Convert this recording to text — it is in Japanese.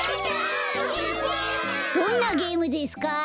どんなゲームですか？